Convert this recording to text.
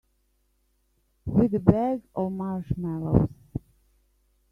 With a bag of marshmallows.